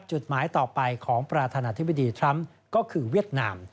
จุดหมายต่อไปของประธานาธิบดีทรัมป์ก็คือเวียดนาม